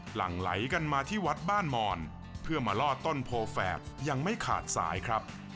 หลังไหลกันมาที่วัดบ้านหมอนเพื่อมาลอดต้นโพแฝกยังไม่ขาดสายครับ